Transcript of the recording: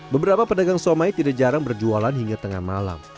beberapa pedagang somai tidak jarang berjualan hingga tengah malam